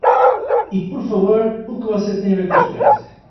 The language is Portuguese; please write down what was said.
E, por favor, o que você tem a ver com este caso?